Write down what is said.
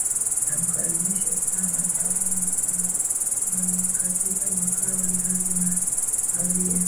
namkaribisha sasa karume sangama katika makala ndani ya alia